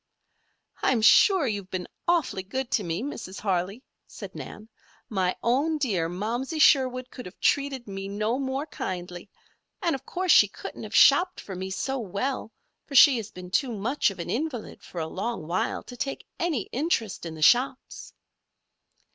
"I'm sure you've been awfully good to me, Mrs. Harley," said Nan. "My own dear Momsey Sherwood could have treated me no more kindly. And, of course, she couldn't have shopped for me so well, for she has been too much of an invalid for a long while to take any interest in the shops."